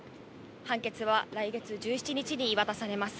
判決は来月１７日に言い渡されます。